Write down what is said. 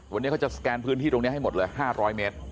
วันนี้เขาจะสแกนพื้นที่ให้หมด๕๐๐เมตร